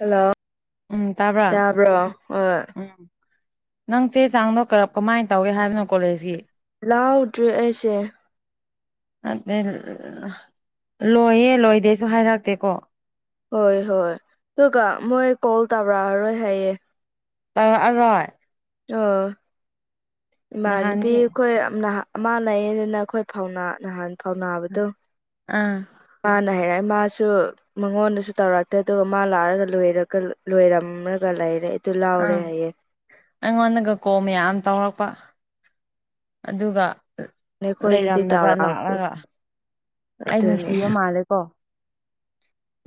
hello ꯎꯝ ꯇꯥꯕ꯭ꯔꯥ ꯇꯥꯕ꯭ꯔꯣ ꯍꯣꯏ ꯎꯝ ꯅꯪ ꯆꯦ ꯆꯥꯡꯗꯣ ꯀꯔꯞ ꯀꯃꯥꯏꯅ ꯇꯧꯒꯦ ꯍꯥꯏꯕꯅꯣ ꯀꯣꯂꯦꯖꯀꯤ ꯂꯥꯎꯗ꯭ꯔꯦ ꯑꯩꯁꯦ [unintelligible] ꯂꯣꯏꯌꯦ ꯂꯣꯏꯗꯦꯁꯨ ꯍꯥꯏꯔꯛꯇꯦꯀꯣ ꯍꯣꯏ ꯍꯣꯏ ꯑꯗꯨꯒ ꯃꯣꯏ ꯀꯣꯜ ꯇꯧꯔꯛꯑꯔꯣꯏ ꯍꯥꯏꯌꯦ ꯇꯧꯔꯛꯑꯔꯣꯏ ꯑꯣ ꯏꯃꯟꯕꯤ ꯅꯍꯥꯟꯗꯤ ꯑꯩꯈꯣꯏ ꯌꯥꯝꯅꯍꯥꯛ ꯑꯃ ꯂꯩꯌꯦꯗꯅ ꯑꯩꯈꯣꯏ ꯐꯧꯅ ꯅꯍꯥꯟ ꯐꯧꯅꯥꯕꯗꯣ ꯑꯥ ꯃꯥꯅ ꯍꯥꯏꯔꯛꯑꯦ ꯃꯥꯁꯨ ꯃꯉꯣꯟꯗꯁꯨ ꯇꯧꯔꯛꯇꯦ ꯑꯗꯨꯒ ꯃꯥ ꯂꯥꯛꯑꯒ ꯂꯣꯏꯔꯒ ꯂꯣꯏꯔꯝꯔꯒ ꯂꯩꯔꯦ ꯑꯗꯨ ꯂꯥꯎꯔꯦ ꯑꯥ ꯍꯥꯏꯌꯦ ꯑꯩꯉꯣꯟꯗꯒ ꯀꯣꯜ ꯃꯌꯥꯝ ꯇꯧꯔꯛꯄ ꯑꯗꯨꯒ ꯑꯩꯈꯣꯏꯗꯗꯤ ꯂꯩꯔꯝꯗꯕ ꯇꯧꯔꯛꯇꯦ ꯂꯥꯛꯔꯒ ꯑꯩ ꯑꯗꯨꯅꯦ ꯅꯨꯡꯁꯤꯕ ꯃꯥꯜꯂꯦꯀꯣ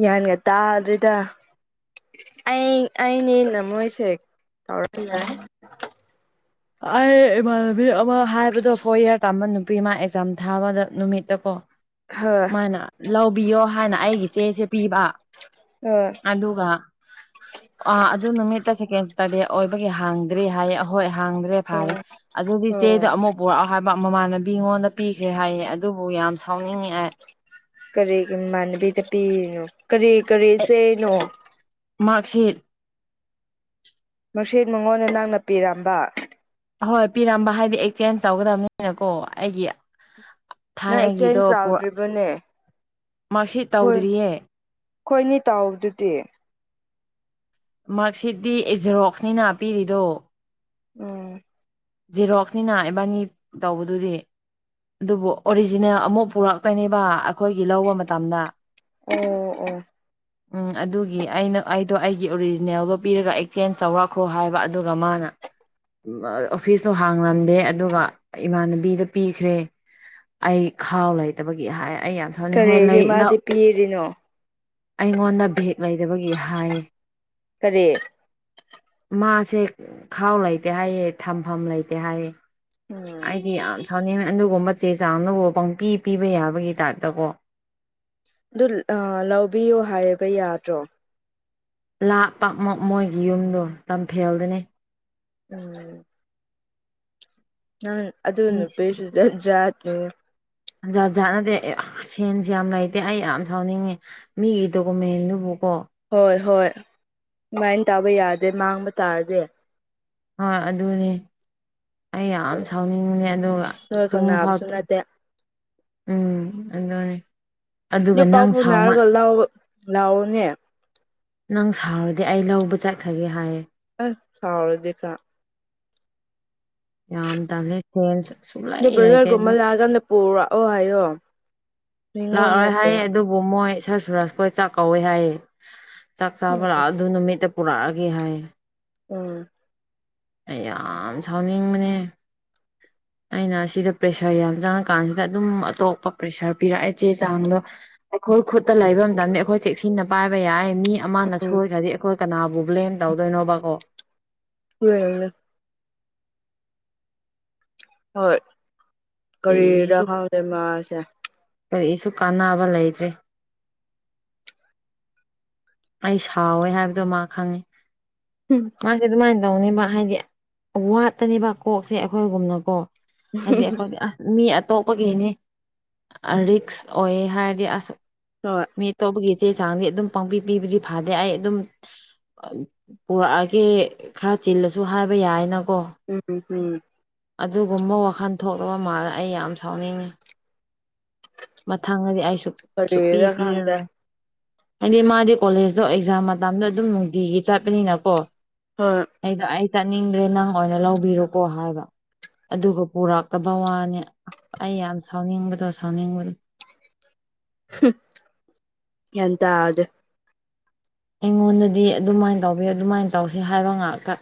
ꯒ꯭ꯌꯥꯟꯒ ꯇꯥꯗ꯭ꯔꯦꯗ ꯑꯩ ꯑꯩꯅꯤꯅ ꯃꯣꯏꯁꯦ ꯇꯧꯔꯛꯄ ꯌꯥꯏ ꯑꯩ ꯏꯃꯥꯟꯅꯕꯤ ꯑꯃ ꯍꯥꯏꯕꯗꯣ ꯐꯣꯔ ꯏꯌꯥꯔ ꯇꯝꯕ ꯅꯨꯄꯤ ꯑꯃ ꯃꯥ ꯑꯦꯛꯖꯥꯝ ꯊꯥꯕꯗ ꯅꯨꯃꯤꯠꯇ ꯀꯣ ꯍꯣꯏ ꯃꯥꯅ ꯂꯧꯕꯤꯌꯣ ꯍꯥꯏꯅ ꯑꯩꯒꯤ ꯆꯦꯖꯦ ꯄꯤꯕ ꯎꯡ ꯑꯗꯨꯒ ꯑꯥ ꯑꯗꯨ ꯅꯨꯃꯤꯠꯇ ꯁꯦꯀꯦꯟ ꯁꯇꯔꯗꯦ ꯑꯣꯏꯕꯒꯤ ꯍꯥꯡꯗ꯭ꯔꯦ ꯍꯥꯏꯌꯦ ꯑꯍꯣꯏ ꯥꯍꯥꯡꯗ꯭ꯔꯦ ꯑꯣ ꯐꯥꯔꯦ ꯑꯗꯨꯗꯤ ꯑꯣ ꯆꯦꯗꯣ ꯑꯃꯨꯛ ꯄꯨꯔꯛꯑꯣ ꯍꯥꯏ ꯃꯃꯥꯟꯅꯕꯤꯉꯣꯟꯗ ꯄꯤꯈ꯭ꯔꯦ ꯍꯥꯏꯌꯦ ꯑꯗꯨꯕꯨ ꯌꯥꯝ ꯁꯥꯎꯅꯤꯡꯉꯦ ꯑꯩ ꯀꯔꯤꯒꯤ ꯃꯃꯥꯟꯅꯕꯤꯗ ꯄꯤꯔꯤꯅꯣ ꯀꯔꯤ ꯀꯔꯤ ꯆꯦꯅꯣ ꯃꯥꯛꯁꯤꯠ ꯃꯔꯁꯤꯠ ꯃꯉꯣꯟꯗ ꯅꯪꯅ ꯄꯤꯔꯝꯕ ꯍꯣꯏ ꯄꯤꯔꯝꯕ ꯍꯥꯏꯗꯤ ꯑꯦꯛꯆꯦꯟꯖ ꯇꯧꯒꯗꯕꯅꯤꯅꯀꯣ ꯑꯩꯒꯤ ꯅꯪ ꯊꯥꯏꯅꯒꯤꯗꯣ ꯑꯦꯛꯆꯦꯟꯖ ꯄꯨꯔ ꯇꯧꯗ꯭ꯔꯤꯕꯅꯦ ꯃꯥꯛꯁꯤꯠ ꯍꯣꯏ ꯇꯧꯗ꯭ꯔꯤꯌꯦ ꯈꯣꯏꯅꯤ ꯇꯥꯎꯕꯗꯨꯗꯤ ꯃꯥꯛꯁꯤꯠꯗꯤ ꯖꯦꯔꯣꯛꯁꯅꯤꯅ ꯄꯤꯔꯤꯗꯣ ꯎꯝ ꯖꯦꯔꯣꯛꯁꯅꯤꯅ ꯏꯕꯥꯅꯤ ꯇꯧꯕꯗꯨꯗꯤ ꯑꯗꯨꯕꯨ ꯑꯣꯔꯤꯖꯤꯅꯦꯜ ꯑꯃꯨꯛ ꯄꯨꯔꯛꯀꯅꯤꯕ ꯑꯩꯈꯣꯏꯒꯤ ꯂꯧꯕ ꯃꯇꯝꯗ ꯑꯣ ꯑꯣ ꯎꯝ ꯑꯗꯨꯒꯤ ꯑꯩꯅ ꯑꯩꯗꯣ ꯑꯩꯒꯤ ꯑꯣꯔꯤꯖꯤꯅꯦꯜꯗꯣ ꯄꯤꯔꯒ ꯑꯦꯛꯆꯦꯟꯖ ꯇꯧꯔꯛꯈ꯭ꯔꯣ ꯍꯥꯏꯕ ꯑꯗꯨꯒ ꯃꯥꯅ ꯑꯣꯐꯤꯁꯇꯣ ꯍꯥꯡꯂꯝꯗꯦ ꯑꯗꯨꯒ ꯏꯃꯥꯟꯅꯕꯤꯗ ꯄꯤꯈ꯭ꯔꯦ ꯑꯩ ꯈꯥꯎ ꯂꯩꯇꯕꯒꯤ ꯍꯥꯏ ꯑꯩ ꯌꯥꯝ ꯁꯥꯎꯅꯤꯡ ꯍꯣꯏ ꯀꯔꯤꯒꯤ ꯂꯩ ꯃꯥꯗꯤ ꯄꯤꯔꯤꯅꯣ ꯑꯩꯉꯣꯟꯗ ꯕꯦꯛ ꯂꯩꯗꯕꯒꯤ ꯍꯥꯏꯌꯦ ꯀꯔꯤ ꯃꯥꯁꯦ ꯈꯥꯎ ꯂꯩꯇꯦ ꯍꯥꯏꯌꯦ ꯊꯝꯐꯝ ꯂꯩꯇꯦ ꯍꯥꯏꯌꯦ ꯎꯝ ꯑꯩꯗꯤ ꯌꯥꯝ ꯁꯥꯎꯅꯤꯡꯉꯦ ꯑꯗꯨꯒꯨꯝꯕ ꯆꯦ ꯆꯥꯡꯗꯨꯕꯨ ꯄꯪꯄꯤ ꯄꯤꯕ ꯌꯥꯕꯒꯤ ꯇꯥꯏꯞꯇꯀꯣ ꯑꯗꯨ ꯑꯥ ꯂꯧꯕꯤꯌꯣ ꯍꯥꯏꯕ ꯌꯥꯗ꯭ꯔꯣ ꯂꯥꯞꯄ ꯃꯣ ꯃꯣꯏꯒꯤ ꯌꯨꯝꯗꯣ ꯂꯝꯐꯦꯜꯗꯅꯦ ꯎꯝ ꯅꯪ ꯃꯤꯁꯦ ꯑꯗꯨꯅꯨꯄꯤꯁꯨ ꯖ ꯖꯥꯠꯅꯤ ꯖꯥꯠ ꯖꯥꯠ ꯅꯠꯇꯦ ꯑꯌꯥ ꯁꯦꯟꯁ ꯌꯥꯝ ꯂꯩꯇꯦ ꯑꯩ ꯌꯥꯝ ꯁꯥꯎꯅꯤꯡꯉꯤ ꯃꯤꯒꯤ ꯗꯣꯀꯨꯃꯦꯟꯗꯨꯕꯨ ꯀꯣ ꯍꯣꯏ ꯍꯣꯏ ꯑꯗꯨꯃꯥꯏꯅ ꯇꯧꯕ ꯌꯥꯗꯦ ꯃꯥꯡꯕ ꯇꯥꯔꯗꯤ ꯍꯣꯏ ꯑꯗꯨꯅꯦ ꯑꯩ ꯌꯥꯝ ꯁꯥꯎꯅꯤꯡꯕꯅꯦ ꯅꯣꯏ [unintelligible] ꯇꯨꯝꯐꯥꯎ ꯈꯪꯅꯕꯁꯨ ꯅꯠꯇꯦ ꯎꯝ ꯑꯗꯨꯅꯦ ꯑꯗꯨ ꯄꯥꯎ ꯐꯥꯎꯅꯔꯒ ꯂꯧ ꯂꯧꯋꯣꯅꯦ ꯅꯪ ꯁꯥꯎꯔꯗꯤ ꯑꯩ ꯂꯧꯕ ꯆꯠꯈ꯭ꯔꯒꯦ ꯍꯥꯏꯌꯦ ꯍꯩ ꯁꯥꯎꯔꯗꯤꯀꯥ ꯌꯥꯝ ꯇꯜꯂꯦ ꯁꯦꯟꯁ ꯑꯗꯨ ꯁꯨꯡꯂꯩ ꯂꯩꯇꯦ ꯕꯖꯥꯔꯒꯨꯝꯕ ꯑꯗꯨ ꯂꯥꯛꯑꯀꯥꯟꯗ ꯄꯨꯔꯛꯑꯣ ꯍꯥꯏꯌꯣ ꯅꯤꯡꯉꯣꯟꯅ ꯀꯌꯥ ꯕꯨ ꯃꯣꯏ ꯁꯥꯔ ꯁꯨꯔꯁ ꯈꯣꯏ ꯆꯥꯛ ꯀꯧꯋꯦ ꯍꯥꯏꯌꯦ ꯆꯥꯛ ꯆꯥꯕ ꯎꯝ ꯂꯥꯛꯑ ꯑꯗꯨ ꯅꯨꯃꯤꯠꯇ ꯄꯨꯔꯛꯑꯒꯦ ꯍꯥꯏꯌꯦ ꯎꯝ ꯑꯩ ꯌꯥꯝ ꯁꯥꯎꯅꯤꯡꯕꯅꯦ [inaudible] ꯑꯩꯅ ꯁꯤꯗ ꯄ꯭ꯔꯦꯁꯔ ꯌꯥꯝ ꯆꯪꯉꯀꯥꯟꯁꯤꯗ ꯑꯗꯨꯝ ꯑꯇꯣꯞꯄ ꯄ꯭ꯔꯦꯁꯔ ꯄꯤꯔꯛꯑꯦ ꯆꯦ ꯆꯥꯡꯗꯣ ꯑꯩꯈꯣꯏ ꯈꯨꯠꯇ ꯂꯩꯕ ꯃꯇꯝꯗ ꯑꯩꯈꯣꯏ ꯆꯦꯛꯁꯤꯟꯅ ꯄꯥꯏꯕ ꯌꯥꯏ ꯃꯤ ꯑꯃꯅ ꯎꯝ ꯁꯣꯏꯈ꯭ꯔꯗꯤ ꯑꯩꯈꯣꯏ ꯀꯅꯥꯕꯨ ꯕ꯭ꯂꯦꯝ ꯇꯧꯗꯣꯏꯅꯣꯕꯀꯣ [unintelligible] ꯍꯣꯏ ꯀꯔꯤꯔ ꯀꯔꯤꯁꯨ ꯈꯪꯗꯦ ꯃꯥꯁꯦ ꯀꯔꯤꯁꯨ ꯀꯥꯟꯅꯕ ꯂꯩꯇꯦ ꯑꯩ ꯁꯥꯎꯋꯦ ꯍꯥꯏꯕꯗꯣ ꯃꯥ ꯈꯪꯉꯦ [unintelligible] ꯃꯥꯁꯦ ꯑꯗꯨꯃꯥꯏꯅ ꯇꯧꯅꯤꯕ ꯍꯥꯏꯗꯤ ꯋꯥꯠꯄꯅꯦꯕ ꯀꯣꯛꯁꯦ ꯑꯩꯈꯣꯏꯒꯨꯝꯅꯀꯣ ꯍꯥꯏꯗꯤ ꯑꯩꯈꯣꯏꯗꯤ ꯑꯁ ꯃꯤ ꯑꯇꯣꯞꯄꯒꯤꯅꯤ ꯑ ꯔꯤꯛꯁ ꯑꯣꯏꯌꯦ ꯍꯥꯏꯔꯗꯤ ꯑꯁ ꯍꯣꯏ ꯃꯤ ꯑꯇꯣꯞꯄꯒꯤ ꯆꯦ ꯆꯥꯡꯗꯤ ꯑꯗꯨꯝ ꯄꯡꯄꯤ ꯄꯤꯕꯗꯤ ꯐꯗꯦ ꯑꯩ ꯑꯗꯨꯝ ꯄꯨꯔꯛꯑꯒꯦ ꯈꯔ ꯆꯤꯜꯂꯁꯨ ꯍꯥꯏꯕ ꯌꯥꯏꯅꯀꯣ ꯎꯝ ꯎꯝ ꯑꯗꯨꯒꯨꯝꯕ ꯋꯥꯈꯜ ꯊꯣꯛꯇꯕ ꯃꯥꯜꯂꯦ ꯑꯩ ꯌꯥꯝ ꯁꯥꯎꯅꯤꯡꯉꯦ ꯃꯊꯪꯗꯗꯤ ꯑꯩ ꯁꯨꯛ ꯁꯨꯛꯄꯤ ꯀꯔꯤꯔ ꯈꯪꯗꯦ ꯄꯤꯔꯔꯣꯏ ꯍꯥꯏꯗꯤ ꯃꯥꯗꯤ ꯀꯣꯂꯦꯖꯇꯣ ꯑꯦꯛꯖꯥꯝ ꯃꯇꯝꯗ ꯑꯗꯨꯝ ꯅꯨꯡꯇꯤꯒꯤ ꯆꯠꯄꯅꯤꯅꯀꯣ ꯍꯣꯏ ꯑꯩꯗꯣ ꯑꯩ ꯆꯠꯅꯤꯡꯗ꯭ꯔꯦ ꯅꯪ ꯑꯣꯏꯅ ꯂꯧꯕꯤꯔꯣꯀꯣ ꯍꯥꯏꯕ ꯑꯗꯨꯒ ꯄꯨꯔꯛꯇꯕ ꯋꯥꯅꯦ ꯑꯩ ꯌꯥꯝ ꯁꯥꯎꯅꯤꯡꯕꯗꯣ ꯁꯥꯎꯅꯤꯡꯕꯗꫭ [unintelligible] ꯌꯥꯟ ꯇꯥꯗꯦ ꯑꯩꯉꯣꯟꯗꯗꯤ ꯑꯗꯨꯃꯥꯏꯅ ꯇꯧꯕꯤꯌꯨ ꯑꯗꯨꯃꯥꯏ ꯇꯧꯁꯦ ꯍꯥꯏꯕ ꯉꯥꯛꯇ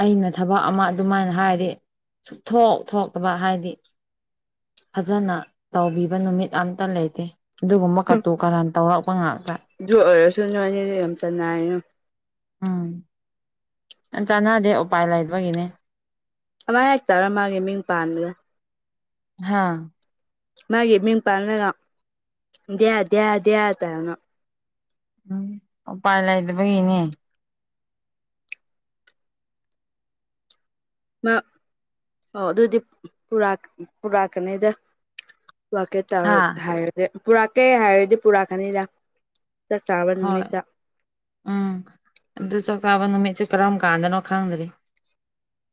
ꯑꯩꯅ ꯊꯕꯛ ꯑꯃ ꯑꯗꯨꯃꯥꯏꯅ ꯍꯥꯏꯔꯗꯤ ꯁꯨꯊꯣꯛ ꯊꯣꯛꯇꯕ ꯍꯥꯏꯗꯤ ꯐꯖꯅ ꯇꯧꯕꯤꯕ ꯅꯨꯃꯤꯠ ꯑꯝꯇ ꯂꯩꯇꯦ ꯑꯗꯨꯒꯨꯝꯕ ꯀꯥꯇꯨ ꯀꯥꯔꯟ ꯇꯧꯔꯛꯄ ꯉꯥꯛꯇ ꯑꯗꯨ ꯑꯣꯏꯔꯁꯨ ꯅꯣꯏꯅꯤꯗꯤ ꯌꯥꯝ ꯆꯥꯟꯅꯩ [unintelligible] ꯎꯝ ꯆꯥꯟꯅꯗꯦ ꯎꯄꯥꯏ ꯂꯩꯇꯕꯒꯤꯅꯦ ꯑꯃ ꯍꯦꯛ ꯇꯧꯔ ꯃꯥꯒꯤ ꯃꯤꯡ ꯄꯥꯟꯕꯗꫭ ꯍꯥꯥ ꯃꯥꯒꯤ ꯃꯤꯡ ꯄꯥꯟꯂꯒ ꯗꯤꯌꯔ ꯗꯤꯌꯔ ꯗꯤꯌꯔ [unintelligible] ꯎꯝ ꯎꯄꯥꯏ ꯂꯩꯗꯕꯒꯤꯅꯦ ꯃꯥ ꯑꯣ ꯑꯗꯨꯗꯤ ꯄꯨꯔꯛ ꯄꯨꯔꯛꯀꯅꯤꯗ ꯄꯨꯔꯛꯀꯦ ꯇꯧꯔ ꯍꯥꯥ ꯍꯥꯏꯔꯗꯤ ꯄꯨꯔꯛꯀꯦ ꯍꯥꯏꯔꯗꯤ ꯄꯨꯔꯛꯀꯅꯤꯗ ꯆꯥꯛ ꯆꯥꯕ ꯍꯣꯏ ꯅꯨꯃꯤꯠꯇ ꯎꯝ ꯑꯗꯨ ꯆꯥꯛ ꯆꯥꯕ ꯅꯨꯃꯤꯠꯁꯦ ꯀꯔꯝ ꯀꯥꯟꯗꯅꯣ ꯈꯪꯗ꯭ꯔꯤ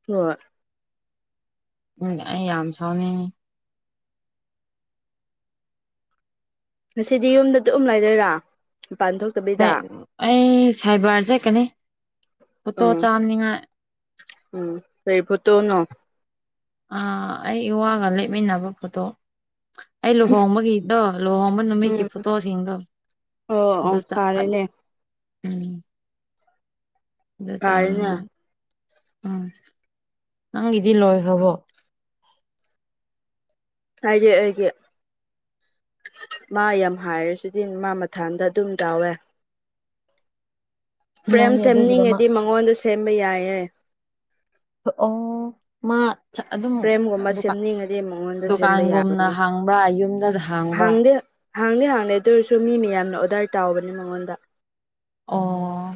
ꯍꯣꯏ ꯎꯝ ꯑꯩ ꯌꯥꯝ ꯁꯥꯎꯅꯤꯡꯉꯤ ꯉꯁꯤꯗꯤ ꯌꯨꯝꯗ ꯑꯗꯨꯝ ꯂꯩꯗꯣꯏꯔꯥ ꯃꯄꯥꯟ ꯊꯣꯛ ꯑꯩ ꯁꯥꯏꯕꯔ ꯆꯠꯀꯅꯤ ꯐꯣꯇꯣ ꯎꯝ ꯆꯥꯝꯅꯤꯡꯉꯥꯏ ꯎꯝ ꯀꯩ ꯐꯣꯇꯣꯅꯣ ꯑꯥ ꯑꯩ ꯏꯋꯥꯒ ꯂꯦꯞꯃꯤꯟꯅꯕ ꯐꯣꯠꯇꯣ ꯑꯩ ꯂꯨꯍꯣꯡꯕꯒꯤꯗꯣ ꯂꯨꯍꯣꯡꯕ ꯅꯨꯃꯤꯠꯀꯤ ꯎꯝ ꯐꯨꯠꯇꯣꯁꯤꯡꯗꯣ ꯑꯣ ꯑꯣ ꯐꯥꯔꯦꯅꯦ ꯎꯝ ꯑꯗꯨ ꯐꯔꯦꯅꯦ ꯆꯥꯝꯅꯤꯡꯉꯥꯏ ꯎꯝ ꯅꯪꯒꯤꯗꯤ ꯂꯣꯏꯈ꯭ꯔꯕꯣ ꯑꯩꯗꯤ ꯑꯩꯒꯤ ꯃꯥ ꯌꯥꯝ ꯍꯥꯏꯔꯁꯤꯗꯤ ꯃꯥ ꯃꯊꯥꯟꯗ ꯑꯗꯨꯝ ꯇꯧꯋꯦ ꯐ꯭ꯔꯦꯝ ꯅꯪꯗꯤ ꯑꯗꯨꯒꯤꯗꯃꯛ ꯁꯦꯝꯅꯤꯡꯉꯗꯤ ꯃꯉꯣꯟꯗ ꯁꯦꯝꯕ ꯌꯥꯏꯌꯦ ꯑꯣ ꯃꯥ ꯑꯗꯨꯝ ꯐ꯭ꯔꯦꯝꯒꯨꯝꯕ ꯗꯨꯀꯥꯟ ꯁꯦꯝꯅꯤꯡꯉꯗꯤ ꯃꯉꯣꯟꯗ ꯁꯦꯝꯕ ꯗꯨꯀꯥꯟꯒꯨꯝꯅ ꯌꯥꯕꯅꯦ ꯍꯥꯡꯕ꯭ꯔꯥ ꯌꯨꯝꯗ ꯍꯥꯡꯕ꯭ꯔꯥ ꯍꯥꯡꯗꯦ ꯍꯥꯡꯗꯤ ꯍꯥꯡꯗꯦ ꯑꯗꯨꯑꯣꯏꯔꯁꯨ ꯃꯤ ꯃꯌꯥꯝꯅ ꯑꯣꯗꯔ ꯇꯥꯎꯕꯅꯦ ꯃꯉꯣꯟꯗ ꯑꯣ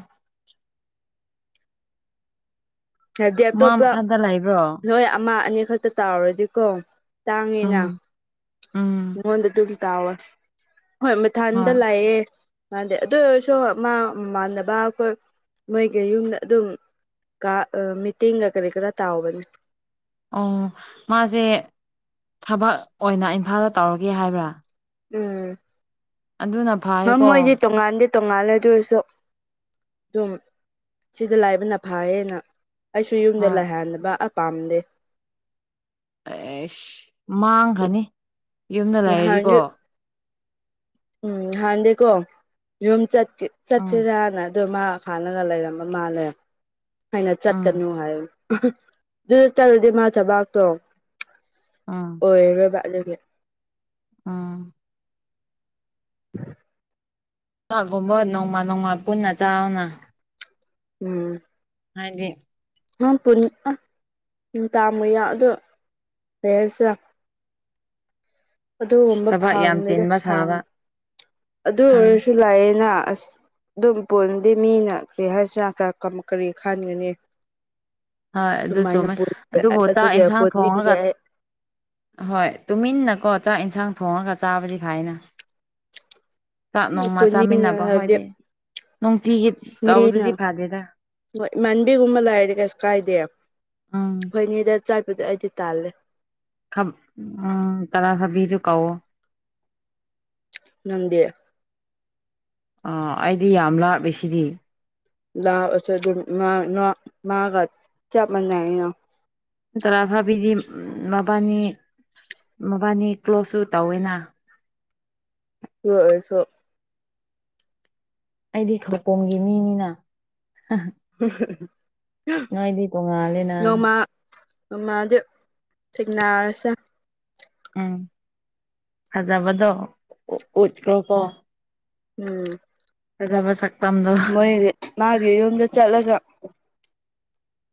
ꯍꯥꯏꯕꯗꯤ ꯃꯥ ꯑꯇꯣꯞꯄꯥ ꯃꯊꯟꯇ ꯂꯩꯕ꯭ꯔꯣ ꯅꯣꯏ ꯑꯃ ꯑꯅꯤ ꯈꯛꯇ ꯇꯧꯔꯗꯤꯀꯣ ꯎꯝ ꯇꯥꯡꯉꯤꯅ ꯎꯝ ꯃꯉꯣꯟꯗ ꯑꯗꯨꯝ ꯇꯥꯎꯋꯦ ꯍꯣꯏ ꯃꯊꯥꯟꯗ ꯍꯣꯏ ꯂꯩꯌꯦ ꯃꯗꯤ ꯑꯗꯨ ꯑꯣꯏꯔꯁꯨ ꯃꯥꯃꯥꯟꯅꯕ ꯈꯣꯏ ꯃꯣꯏꯒꯤ ꯌꯨꯝꯗ ꯑꯗꯨꯝ ꯀꯥ ꯃꯤꯇꯤꯡꯒ ꯀꯔꯤ ꯀꯔꯥ ꯇꯥꯎꯕꯅꯤ ꯑꯣ ꯃꯥꯖꯦ ꯊꯕꯛ ꯑꯣꯏꯅ ꯏꯝꯐꯥꯜꯗ ꯇꯧꯔꯒꯦ ꯍꯥꯏꯕ꯭ꯔꯥ ꯎꯝ ꯑꯗꯨꯅ ꯃ ꯐꯩꯀꯣ ꯃꯣꯏꯗꯤ ꯇꯣꯡꯉꯥꯟꯗꯦ ꯇꯣꯡꯉꯥꯜꯂꯦ ꯗꯨꯑꯣꯏꯔꯁꯨ ꯑꯗꯨꯝ ꯁꯤꯗ ꯂꯩꯕꯅ ꯐꯥꯌꯦꯅ ꯑꯩꯁꯨ ꯌꯨꯝꯗ ꯍꯣꯏ ꯂꯩꯥꯍꯟꯕ ꯑꯄꯥꯥꯝꯗꯦ ꯑꯦꯁ ꯃꯥꯡꯈ꯭ꯔꯅꯤ ꯌꯨꯝꯗ ꯂꯩꯥꯔꯗꯤꯀꯣ ꯅꯍꯥꯟꯗꯤ ꯎꯝ ꯍꯥꯟꯗꯤꯀꯣ ꯌꯨꯝ ꯆꯠꯀꯦ ꯎꯝ ꯆꯠꯁꯤꯔꯥꯅ ꯑꯗꯣ ꯃꯥ ꯈꯥꯜꯂꯒ ꯂꯩꯔꯝꯕ ꯃꯥꯜꯂꯦ ꯑꯩꯅ ꯎꯝ ꯆꯠꯀꯅꯨ ꯍꯥꯏ ꯑꯗꯨ ꯇꯧꯔꯗꯤ ꯃꯥ ꯊꯕꯥꯛꯇꯣ ꯑꯝ ꯑꯣꯏꯔꯔꯣꯏꯕ ꯑꯗꯨꯒꯤ ꯑꯝ ꯆꯥꯛꯒꯨꯝꯕ ꯅꯣꯡꯃ ꯅꯣꯡꯃ ꯄꯨꯟꯅ ꯆꯥꯎꯅ ꯎꯝ ꯍꯥꯏꯗꯤ ꯅꯪ ꯄꯨꯟꯅ ꯅꯨꯡꯗꯥꯡ ꯃꯥꯌꯥ ꯑꯗꯨ ꯂꯩꯔꯁꯤꯔꯥ ꯑꯁ ꯑꯗꯨꯒꯨꯝꯕ ꯊꯕꯛ ꯌꯥꯝ ꯐꯥꯡꯗꯦꯗ ꯆꯤꯟꯕ ꯁꯥꯕ ꯁꯥꯡꯉꯦ ꯑꯗꯨ ꯈꯪꯉꯦ ꯑꯣꯏꯔꯁꯨ ꯂꯩꯌꯦꯅ ꯑꯁ ꯑꯗꯨꯝ ꯄꯨꯟꯗꯤ ꯃꯤꯅ ꯀꯔꯤ ꯍꯥꯏꯁꯤꯔ ꯀꯥ ꯀꯝ ꯀꯔꯤ ꯈꯟꯒꯅꯤ ꯍꯣꯏ ꯑꯗꯨ ꯁꯨꯃꯥꯏꯅ ꯆꯨꯝꯃꯦ ꯑꯗꯨꯕꯨ ꯆꯥꯛ ꯑꯗꯨꯒꯤ ꯑꯦꯟꯖꯥꯡ ꯄꯨꯅꯤꯡꯗꯦ ꯊꯣꯡꯔꯒ ꯑꯩ ꯍꯣꯏ ꯇꯨꯃꯤꯟꯅꯀꯣ ꯆꯥꯛ ꯑꯦꯟꯁꯥꯡ ꯊꯣꯡꯔꯒ ꯆꯥꯕꯗꯤ ꯐꯩꯅ ꯆꯥꯛ ꯅꯣꯡꯃ ꯄꯨꯅꯤꯡꯉ ꯆꯥꯃꯤꯟꯅꯕ ꯍꯥꯏꯕꯗꯤ ꯍꯣꯏꯗꯤ ꯅꯨꯡꯇꯤꯒꯤ ꯃꯤꯅ ꯇꯧꯕꯗꯨꯗꯤ ꯐꯗꯦꯗ ꯍꯣꯏ ꯏꯃꯥꯟꯕꯤꯒꯨꯝꯕ ꯂꯩꯔꯗꯤ ꯀꯩꯁꯨ ꯀꯥꯏꯗꯦ ꯎꯝ ꯑꯩꯈꯣꯏꯅꯤꯗ ꯆꯠꯄꯗꯤ ꯑꯩꯗꯤ ꯇꯥꯜꯂꯦ ꯈꯝ ꯎꯝ ꯇꯔꯥ ꯐꯕꯤꯗꯣ ꯀꯧꯋꯣ ꯅꯪꯗꯤ ꯑꯥ ꯑꯩꯗꯤ ꯌꯥꯝ ꯂꯥꯞꯔꯤꯁꯤꯗꯤ [unintelligible] ꯃꯒꯥ ꯆꯞ ꯃꯅꯩꯅ ꯇꯔꯥ ꯐꯥꯕꯤꯗꯤ ꯃꯕꯥꯅꯤ ꯃꯕꯥꯅꯤ ꯀ꯭ꯂꯣꯁꯁꯨ ꯇꯧꯋꯦꯅ ꯑꯗꯨ ꯑꯣꯏꯔꯁꯨ ꯑꯩꯗꯤ ꯈꯧꯄꯣꯝꯒꯤ ꯃꯤꯅꯤꯅ [unintelligible] ꯅꯥꯏꯗꯤ ꯇꯣꯉꯥꯜꯂꯦꯅ ꯃꯃꯥꯗꯤ ꯊꯦꯡꯅꯔꯁꯦ ꯎꯝ ꯐꯖꯕꯗꯣ ꯎꯠꯈ꯭ꯔꯣꯀꯣ ꯎꯝ ꯐꯖꯕ ꯁꯛ ꯃꯣꯏꯁꯦ ꯃꯥꯒꯤ ꯌꯨꯝꯗ ꯆꯠꯂꯒ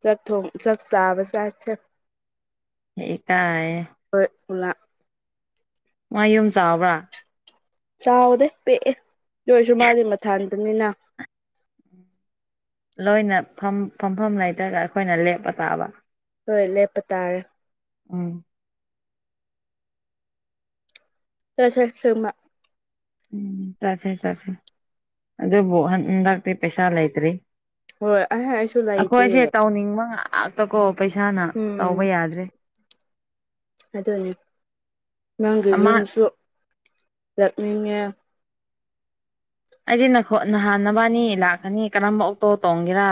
ꯆꯛ ꯊꯣꯡ ꯆꯛ ꯆꯥꯕꯁꯦ [unintelligible] ꯏꯀꯥꯏꯌꯦ ꯍꯣꯏ ꯄꯨꯂꯥꯞ ꯃꯣꯏ ꯌꯨꯝ ꯆꯥꯎꯕ꯭ꯔꯥ ꯆꯥꯎꯗꯦ ꯄꯤꯛꯑꯦ ꯑꯗꯨꯑꯣꯏꯁꯨ ꯃꯥꯗꯤ ꯃꯊꯟꯗꯅꯤꯅ ꯂꯣꯏꯅ ꯐꯝ ꯐꯝꯐꯝ ꯂꯩꯇ꯭ꯔꯒ ꯑꯩꯈꯣꯏꯅ ꯂꯦꯞꯄ ꯇꯥꯕ ꯍꯣꯏ ꯂꯦꯞꯄ ꯇꯥꯔꯦ ꯎꯝ ꯆꯁꯦ ꯁꯦꯡꯕ ꯎꯝ ꯆꯠꯁꯦ ꯆꯠꯁꯦ ꯑꯗꯨꯕꯨ ꯍꯟꯗꯇꯤ ꯄꯩꯁꯥ ꯂꯩꯇ꯭ꯔꯤ ꯍꯣꯏ ꯑꯩ ꯑꯩꯁꯨ ꯑꯈꯣꯏꯁꯦ ꯂꯩꯇꯦ ꯇꯧꯅꯤꯡꯕ ꯉꯥꯛꯇꯀꯣ ꯄꯩꯁꯥꯅ ꯇꯧꯕ ꯎꯝ ꯌꯥꯗ꯭ꯔꯦ ꯑꯗꯨꯅꯤ ꯅꯪꯒꯤ ꯑꯃ ꯌꯨꯝꯁꯨ ꯆꯠꯅꯤꯡꯉꯦ ꯑꯩꯗꯤ ꯅꯈꯣ ꯅꯍꯥꯟ ꯅꯕꯥꯟꯅꯤ ꯂꯥꯛꯀꯅꯤ ꯀꯔꯝꯕ ꯑꯣꯛꯇꯣ ꯇꯣꯡꯒꯦꯔꯥ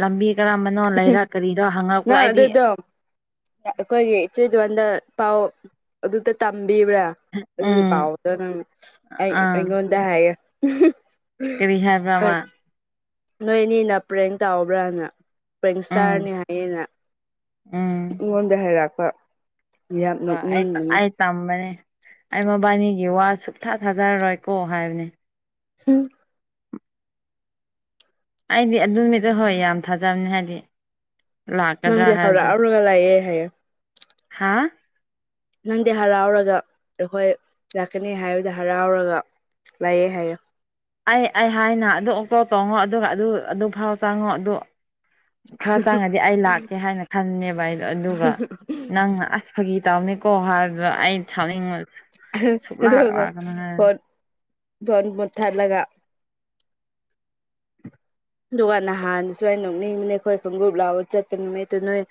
ꯂꯝꯕꯤ ꯀꯔꯝꯕ ꯅꯣ ꯂꯩꯔ ꯀꯔꯤꯔ ꯍꯪꯉꯛꯄ ꯑꯩꯗꯤ ꯑꯈꯣꯏꯒꯤ ꯏꯆꯦꯗꯣ ꯍꯟꯗꯛ ꯄꯥꯎ ꯑꯗꯨꯗ ꯇꯝꯕꯤꯕ꯭ꯔꯥ ꯑꯗꯨꯒꯤ ꯎꯝ ꯄꯥꯎꯗ ꯅꯪ ꯑꯩ ꯑꯥ ꯑꯩꯉꯣꯟꯗ ꯍꯥꯏꯌꯦ ꯕꯤ ꯍꯥꯏꯕ꯭ꯔ ꯍꯣꯏ ꯃꯥ ꯅꯣꯏ ꯅꯤꯅ ꯄ꯭ꯔꯦꯡ ꯇꯥꯎꯕ꯭ꯔꯥꯅ ꯄ꯭ꯔꯦꯡ ꯎꯝ ꯁ꯭ꯇꯥꯔꯅꯦ ꯍꯥꯏꯌꯦꯅ ꯎꯝ ꯑꯩꯉꯣꯟꯗ ꯍꯥꯏꯔꯛꯄ ꯌꯥꯝ ꯑ ꯑꯩꯠ ꯅꯣꯛꯅꯤꯡꯕꯅꯦ ꯑꯩꯠ ꯇꯝꯕꯅꯦ ꯑꯩ ꯃꯕꯥꯅꯤꯒꯤ ꯋꯥ ꯁꯨꯛꯊꯥ ꯊꯥꯖꯔꯔꯣꯏꯀꯣ ꯍꯥꯏꯕꯅꯦ ꯎꯝ ꯑꯩꯗꯤ ꯑꯗꯨ ꯅꯨꯃꯤꯠꯇꯣ ꯍꯣꯏ ꯌꯥꯝ ꯊꯥꯖꯕꯅꯤ ꯍꯥꯏꯗꯤ ꯂꯥꯛꯀꯗ꯭ꯔꯥ ꯅꯪꯗꯤ ꯍꯔꯥꯎꯔꯒ ꯂꯩꯌꯦ ꯍꯥꯏꯌꯦ ꯍꯥꯥ ꯅꯪꯗꯤ ꯍꯔꯥꯎꯔꯒ ꯑꯈꯣꯏ ꯂꯥꯛꯀꯅꯤ ꯍꯥꯏꯕꯗ ꯍꯔꯥꯎꯔꯒ ꯂꯩꯌꯦ ꯍꯥꯏꯌꯦ ꯑꯩ ꯑꯩ ꯍꯥꯏꯅ ꯑꯗꯨ ꯑꯣꯛꯇꯣ ꯇꯣꯡꯉꯣ ꯑꯗꯨꯒ ꯑꯗꯨ ꯑꯗꯨ ꯐꯥꯎ ꯆꯪꯉꯣ ꯑꯗꯨ ꯁꯥ ꯆꯪꯉꯗꯤ ꯑꯩ ꯂꯥꯛꯀꯦ ꯍꯥꯏꯅ ꯈꯟꯅꯦꯕ ꯑꯩꯗꯣ ꯑꯗꯨꯒ ꯅꯪꯅ ꯑꯁ ꯐꯥꯒꯤ ꯇꯧꯕꯅꯤꯀꯣ ꯍꯥꯏꯕꯗꯣ ꯑꯩ ꯁꯥꯎꯅꯤꯡꯕꯅ ꯑꯗꯨꯒ ꯐꯣꯟ ꯐꯣꯟ ꯃꯨꯊꯠꯂꯒ ꯑꯗꯨꯒ ꯅꯍꯥꯟꯗꯨꯁꯨ ꯑꯩ ꯅꯣꯛꯅꯤꯡꯕꯅꯦ ꯑꯩꯈꯣꯏ ꯈꯨꯒꯨꯞ ꯂꯥꯎꯕ ꯆꯠꯄ ꯅꯨꯃꯤꯠꯇꯨ ꯅꯣꯏ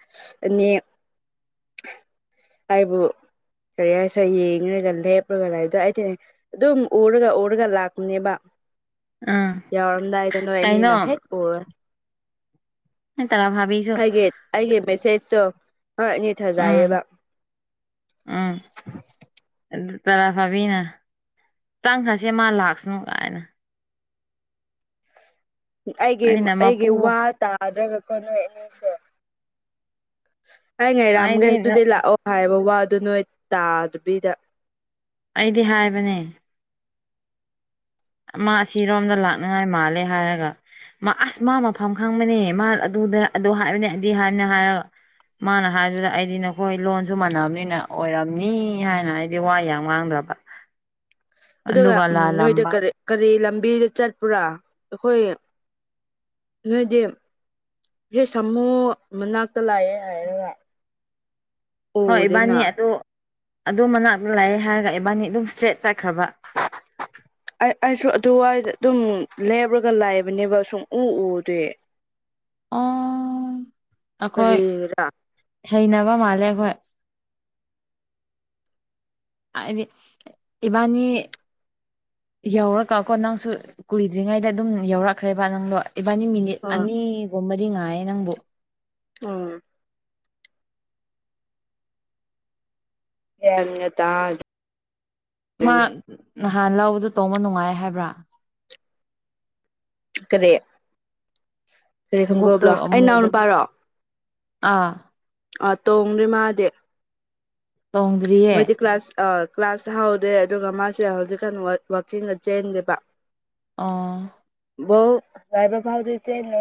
ꯑꯅꯦ ꯍꯥꯏꯕꯨ ꯀꯔꯤ ꯍꯥꯏꯁꯤꯔ ꯌꯦꯡꯉꯒ ꯂꯦꯞꯔꯒ ꯂꯩꯗꯣ ꯑꯩꯗꯤꯅꯦ ꯑꯗꯨꯝ ꯎꯔꯒ ꯎꯔꯒ ꯂꯥꯛꯄꯅꯦꯕ ꯎꯝ ꯌꯥꯎꯔꯝꯗꯥꯏꯗ ꯅꯣꯏ ꯀꯩꯅꯣ ꯑꯅꯤꯅ ꯍꯦꯛ ꯎꯔ ꯅꯣꯏ ꯇꯔꯥꯐꯥꯕꯤꯁꯨ ꯑꯩꯒꯤ ꯑꯩꯒꯤ ꯃꯦꯁꯦꯖꯇꯣ ꯍꫭꯏ ꯑꯅꯤ ꯎꯝ ꯊꯥꯖꯩꯌꯦꯕ ꯎꯝ ꯑꯗꯨ ꯇꯔꯥ ꯐꯥꯕꯤꯅ ꯆꯪꯈ꯭ꯔꯥꯁꯦ ꯃꯥ ꯂꯥꯛꯁꯅꯨ ꯀꯥꯏꯅ ꯑꯩꯒꯤ ꯑꯩꯅ ꯑꯩꯒꯤ ꯃꯄꯨ ꯋꯥ ꯇꯥꯗ꯭ꯔꯥꯒ ꯀꯣ ꯅꯣꯏ ꯑꯅꯤꯁꯨ ꯑꯩ ꯉꯥꯏꯔꯝꯒꯦ ꯑꯩꯗꯤ ꯑꯗꯨꯗꯤ ꯂꯥꯛꯑꯣ ꯍꯥꯏꯕ ꯋꯥꯗꯨ ꯅꯣꯏ ꯇꯥꯗꯕꯤꯗ ꯑꯩꯗꯤ ꯍꯥꯏꯕꯅꯦ ꯃꯥ ꯑꯁꯤꯔꯣꯝꯗ ꯂꯥꯛꯅꯤꯉꯥꯏ ꯃꯥꯜꯂꯦ ꯍꯥꯏꯔꯒ ꯃ ꯑꯁ ꯃꯥ ꯃꯐꯝ ꯈꯪꯕꯅꯦ ꯃꯥ ꯑꯗꯨꯗ ꯑꯗꯨ ꯍꯥꯏꯕꯅꯦ ꯑꯗꯨꯗꯤ ꯍꯥꯏꯕꯅꯦ ꯍꯥꯏꯔꯒ ꯃꯅꯥ ꯍꯥꯏꯗꯨꯗ ꯑꯩꯗꯤ ꯅꯈꯣꯏ ꯂꯣꯟꯁꯨ ꯃꯥꯟꯅꯕꯅꯤꯅ ꯑꯣꯏꯔꯝꯅꯤ ꯍꯥꯏꯅ ꯑꯩꯗꯤ ꯋꯥ ꯌꯥꯝ ꯉꯥꯡꯗ꯭ꯔꯥꯕ ꯑꯗꯨꯒ ꯎꯝ ꯅꯣꯏꯗꯣ ꯀꯔꯤ ꯀꯔꯤ ꯂꯝꯕꯤꯗ ꯆꯠꯄ꯭ꯔꯥ ꯑꯩꯈꯣꯏ ꯅꯣꯏꯗꯤ ꯌꯦꯁ ꯊꯝꯃꯨ ꯃꯅꯥꯛꯇ ꯂꯥꯛꯑꯦ ꯍꯥꯏꯔꯒ ꯍꯣꯏ ꯏꯕꯥꯅꯤ ꯎꯗꯦꯅ ꯑꯗꯨ ꯑꯗꯨ ꯃꯅꯥꯛ ꯂꯩꯌꯦ ꯍꯥꯏꯔꯒ ꯏꯕꯥꯅꯤ ꯑꯗꯨꯝ ꯏꯁꯇ꯭ꯔꯦꯠ ꯆꯠꯈ꯭ꯔꯥꯕ ꯑꯩ ꯑꯩꯁꯨ ꯑꯗꯨꯋꯥꯏꯗ ꯑꯗꯨꯝ ꯂꯦꯞꯔꯒ ꯂꯥꯏꯕꯅꯦꯕ ꯁꯨꯡ ꯎ ꯎꯗꯦ ꯑꯣ ꯑꯩꯈꯣꯏ ꯀꯔꯤꯔꯥ ꯍꯩꯅꯕ ꯃꯥꯜꯂꯦ ꯑꯩꯈꯣꯏ ꯑꯥꯢꯗꯤ ꯏꯕꯥꯅꯤ ꯌꯧꯔꯛꯀꯀꯣ ꯅꯪꯁꯨ ꯀꯨꯏꯗ꯭ꯔꯤꯉꯩꯗ ꯑꯗꯨꯝ ꯌꯧꯔꯛꯈ꯭ꯔꯦꯕ ꯅꯪꯗꯣ ꯏꯕꯥꯅꯤ ꯃꯤꯅꯤꯠ ꯑꯣ ꯑꯅꯤ ꯒꯨꯝꯕꯗꯤ ꯉꯥꯏꯑꯦ ꯅꯪꯕꯨ ꯑ ꯒ꯭ꯌꯥꯟꯒ ꯇꯥ ꯃꯥ ꯅꯍꯥꯟ ꯂꯧꯕꯗꯣ ꯇꯣꯡꯕ ꯅꯨꯡꯉꯥꯏ ꯍꯥꯏꯕ꯭ꯔꯥ ꯀꯔꯤ ꯀꯔꯤ ꯈꯨꯒꯨꯞꯇꯣ ꯈꯣꯡꯒꯨꯞꯂꯣ ꯑꯩ ꯏꯅꯥꯎ ꯑꯃꯨꯕꯅꯤ ꯅꯨꯄꯥꯔꯣ ꯑꯥ ꯑ ꯇꯣꯡꯗ꯭ꯔꯤ ꯃꯥꯗꯤ ꯇꯣꯡꯗ꯭ꯔꯤ ꯃꯣꯏꯗꯤ ꯀ꯭ꯂꯥꯁ ꯑ ꯀ꯭ꯂꯥꯁ ꯍꯧꯗꯦ ꯑꯗꯨꯒ ꯃꯥꯁꯦ ꯍꯧꯖꯤꯛꯀꯥꯟ ꯋꯥꯛ ꯋꯥꯛꯀꯤꯡꯒ ꯆꯦꯟꯗꯦꯕ ꯑꯣ ꯕꯣꯜ ꯉꯥꯢꯕ ꯐꯥꯎꯗꯤ ꯆꯦꯟꯅꯦ